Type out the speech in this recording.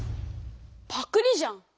パクリじゃん！